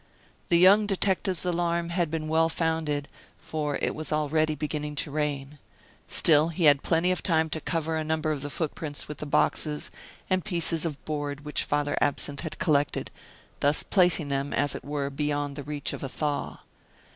The young detective's alarm had been well founded, for it was already beginning to rain. Still, he had plenty of time to cover a number of the footprints with the boxes and pieces of board which Father Absinthe had collected, thus placing them, as it were, beyond the reach of a thaw.